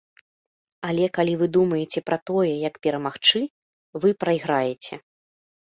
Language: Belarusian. Але калі вы думаеце пра тое, як перамагчы, вы прайграеце.